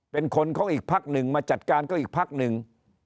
เป็นคนของอีกพักหนึ่งมาจัดการก็อีกพักหนึ่ง